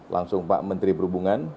langsung pak menteri berhubungan